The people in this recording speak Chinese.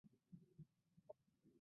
剡县人。